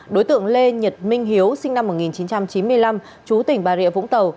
đối tượng lê nhật minh hiếu sinh năm một nghìn chín trăm chín mươi năm chú tỉnh bà rịa vũng tàu